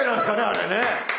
あれね。